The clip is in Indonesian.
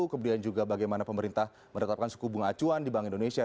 kemudian juga bagaimana pemerintah menetapkan suku bunga acuan di bank indonesia